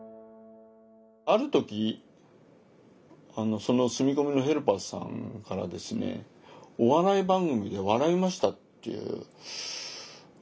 ある時住み込みのヘルパーさんからですねお笑い番組で笑いましたっていうことをですね